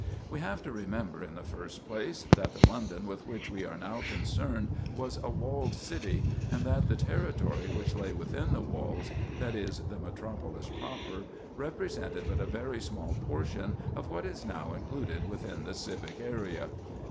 We have to remember, in the first place, that the London with which we are now concerned was a walled city, and that the territory which lay within the walls,—that is, the metropolis proper,—represented but a very small portion of what is now included within the civic area.